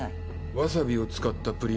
わさびを使ったプリンらしい。